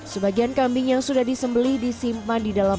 sebagian kambing yang sudah disembeli disimpan di dalam